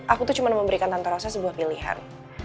aku tuh cuma memberikan tante rosa sebuah pilihan